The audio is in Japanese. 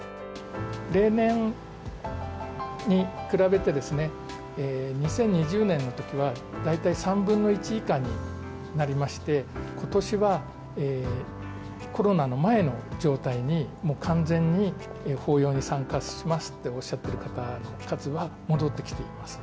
例年に比べて、２０２０年のときは大体３分の１以下になりまして、ことしはコロナの前の状態に、もう完全に、法要に参加しますっておっしゃってる方の数は、戻ってきています。